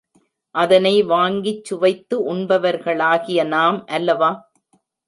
அதனை வாங்கிச் சுவைத்து உண்பவர்களாகிய நாம் அல்லவா?